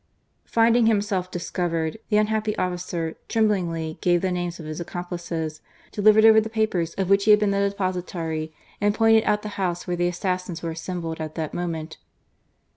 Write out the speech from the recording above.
Finding himself discovered, the unhappy officer tremblingly gave the names of his accomplices, delivered over the papers of which he had been the depositary, and pointed out the house where the assassins were assembled at that moment.